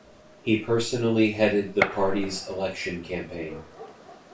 He personally headed the party's election campaign.